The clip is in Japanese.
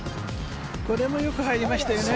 これもよく入りましたよね。